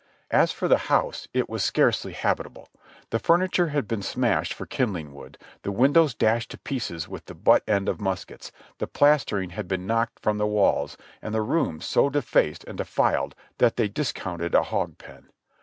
As for the house, it was scarcely habitable ; the furniture had been smashed for kindling wood, the windows dashed to pieces with the butt end of muskets, the plastering had been knocked from the walls and the rooms so defaced and defiled that they discounted a hog pen.